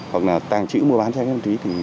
hoặc là tàng trữ mua bán cho các em tuyên truyền